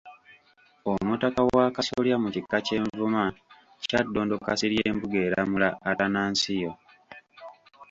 Omutaka wa Kasolya mu Kika ky'e Nvuma , Kyaddondo Kasirye Mbugeeramula Atanansiyo